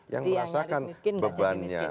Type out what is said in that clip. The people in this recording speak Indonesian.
yang merasakan bebannya